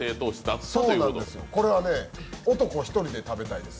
これは、男１人で食べたいです。